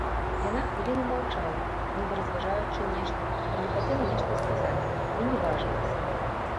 Яна хвіліну маўчала, нібы разважаючы нешта, нібы хацела нешта сказаць, ды не важылася.